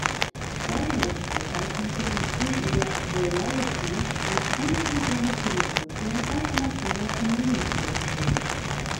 Guy Lodge bezeichnete den Film in der "Variety" als einfühlsame Zelebration alternativer Familienstrukturen.